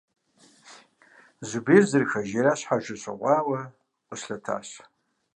Зубер, зэрыхэжеяр щхьэжэ щыхъуауэ, къыщылъэтащ.